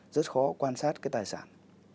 rất khó quan sát cái tài sản